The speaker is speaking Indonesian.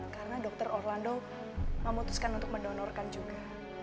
karena dokter orlando memutuskan untuk mendonorkan juga